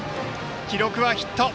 記録はヒット。